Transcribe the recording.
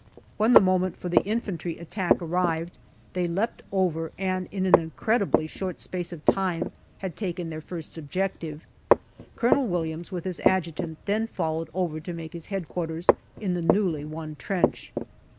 When the moment for the infantry attack 124 GALLIPOLI DIARY arrived, they leapt over, and in an incredibly short space of time had taken their first objective. Colonel Williams, with his Adjutant, then followed over to make his H.Q. in the newly won trench.